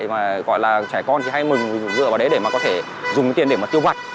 mà gọi là trẻ con thì hay mừng dựa vào đấy để mà có thể dùng cái tiền để mà tiêu vặt